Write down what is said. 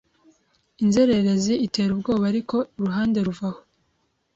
Inzererezi itera ubwoba ariko uruhande ruva aho